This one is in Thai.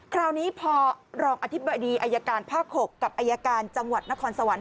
คราวนี้พอรองอธิบดีอายการภาค๖กับอายการจังหวัดนครสวรรค